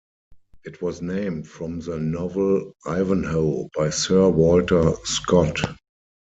It was named from the novel "Ivanhoe" by Sir Walter Scott.